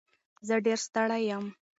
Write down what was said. زه ډېر ستړی یم.